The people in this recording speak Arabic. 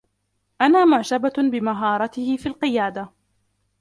أنا معجبةٌ بمهارته في القيادة.